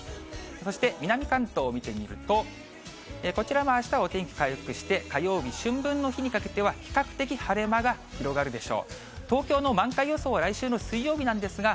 そして南関東を見てみると、こちらもあしたはお天気が回復して、火曜日、春分の日にかけては、・何見てるんですか？